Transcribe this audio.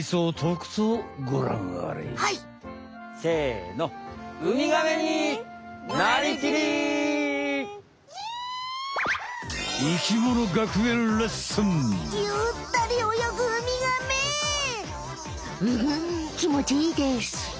うんきもちいいです。